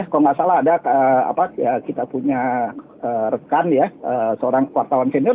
kalau nggak salah ada kita punya rekan ya seorang wartawan senior